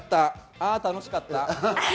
あ、楽しかった！